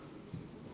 saya tidak tahu